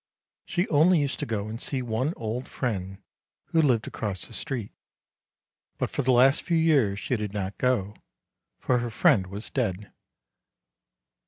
She only used to go and see one old friend, who lived across the street; but for the last few years she did not go, for her friend was dead.